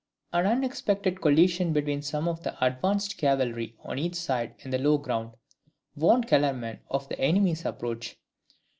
An unexpected collision between some of the advanced cavalry on each side in the low ground, warned Kellerman of the enemy's approach.